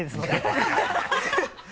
ハハハ